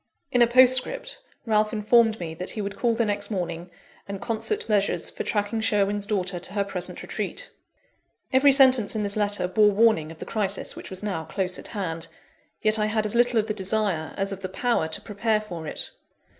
In a postscript, Ralph informed me that he would call the next morning, and concert measures for tracking Sherwin's daughter to her present retreat. Every sentence in this letter bore warning of the crisis which was now close at hand; yet I had as little of the desire as of the power to prepare for it.